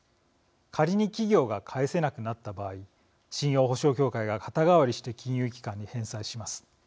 仮に企業が返せなくなった場合信用保証協会が肩代わりして金融機関に返済します。